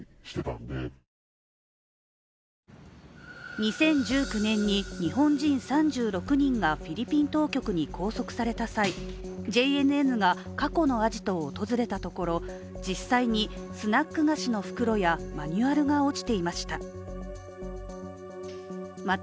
２０１９年に日本人３６人がフィリピン当局に拘束された際、ＪＮＮが過去のアジトを訪れたところ実際にスナック菓子の袋やマニュアルが落ちていました。